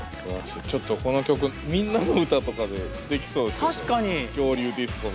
ちょっとこの曲「みんなのうた」とかでできそうですよね。